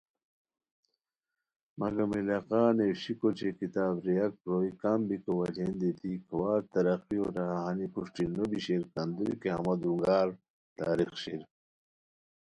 مگم علاقہ نیوشیکو اوچے کتاب ریاک روئے کم بیکو وجہین دیتی کھوار ترقیو راہا ہانی پروشٹی نو بی شیر کندوری کی ہمو درونگار تاریخ شیر